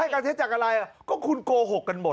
ให้การเทดสนุกจากอะไรก็คุณโกหกกันหมด